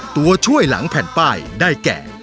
ตัวช่วยหลังแผ่นป้ายได้แก่